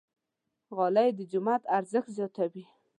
غالۍ د جومات ارزښت زیاتوي.